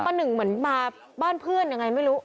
หนึ่งเหมือนมาบ้านเพื่อนยังไงไม่รู้